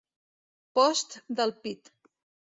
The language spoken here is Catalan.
Post del pit.